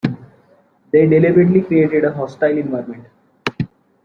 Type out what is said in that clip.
They deliberately created a hostile environment